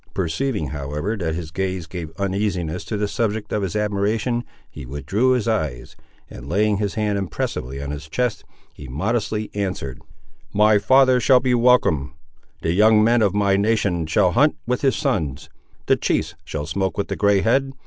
Perceiving, however, that his gaze gave uneasiness to the subject of his admiration, he withdrew his eyes, and laying his hand impressively on his chest, he, modestly, answered— "My father shall be welcome. The young men of my nation shall hunt with his sons; the chiefs shall smoke with the grey head.